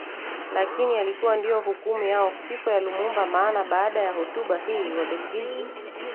lakini yalikuwa ndio hukumu ya kifo ya Lumumba maana baada ya hotuba hii Wabeligiji